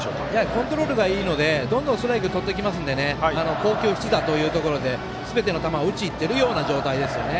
コントロールがいいのでどんどんストライクとってきますので好球必打というところですべての球を打ちにいっているような状態ですよね。